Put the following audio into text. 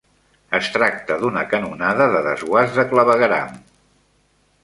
Es tracta d'una canonada de desguàs de clavegueram.